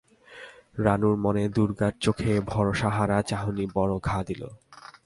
রানুর মনে দুর্গার চোখের ভরসা-হারা চাহনি বড় ঘা দিল।